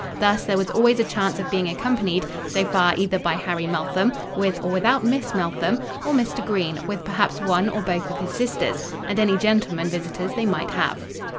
Thus there was always a chance of being accompanied, so far, either by Harry Meltham, with or without Miss Meltham, or Mr. Green, with perhaps one or both of his sisters, and any gentlemen visitors they might have.